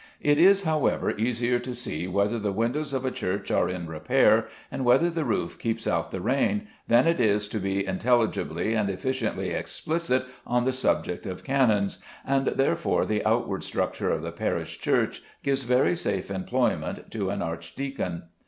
It is, however, easier to see whether the windows of a church are in repair, and whether the roof keeps out the rain, than it is to be intelligibly and efficiently explicit on the subject of canons, and, therefore, the outward structure of the parish church gives very safe employment to an archdeacon.